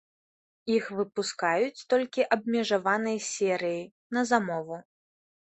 Іх выпускаюць толькі абмежаванай серыяй, на замову.